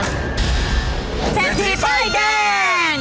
เซทีป้ายแดง